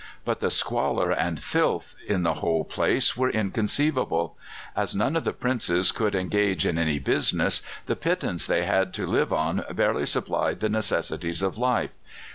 But the squalor and filth in the whole place were inconceivable. As none of the Princes could engage in any business, the pittance they had to live on barely supplied the necessaries of life.